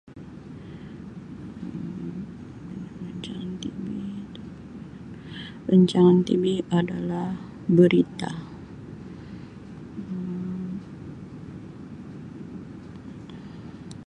Um Rancangan TV rancangan TV adalah berita Um